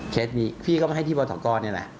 เคสนี้พี่เขามาให้ที่วัตกนี่แหละ